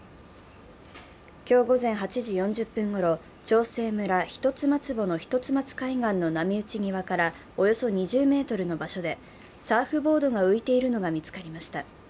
今日午前８時４０分ごろ、長生村一松戊の一松海岸の波打ち際からおよそ２０ｍの場所で、サーフボードが浮いているのが見つかりました。